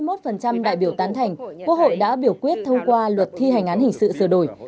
với trên chín mươi một đại biểu tán thành quốc hội đã biểu quyết thông qua luật thi hành án hình sự sửa đổi